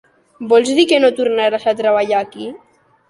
Vols dir que no tornaràs a treballar aquí?